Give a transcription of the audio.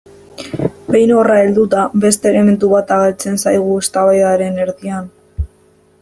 Behin horra helduta, beste elementu bat agertzen zaigu eztabaidaren erdian.